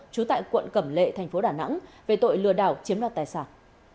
trú tại quận cẩm lệ thành phố đà nẵng về tội lừa đảo chiếm đoạt tài sản